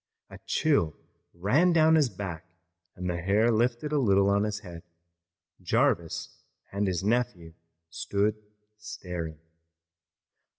A chill ran down his back and the hair lifted a little on his head. Jarvis and his nephew stood staring.